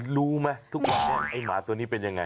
รู้มั้ยทุกวันเนี่ยไอ้หมาตัวนี้เป็นยังไง